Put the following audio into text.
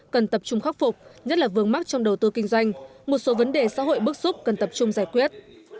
cần tập trung khắc phục nhất là vương mắc trong đầu tư kinh doanh một số vấn đề xã hội bức xúc cần tập trung giải quyết